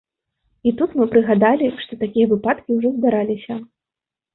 І тут мы прыгадалі, што такія выпадкі ўжо здараліся.